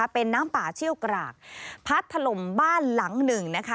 เป็นน้ำป่าเชี่ยวกรากพัดถล่มบ้านหลังหนึ่งนะคะ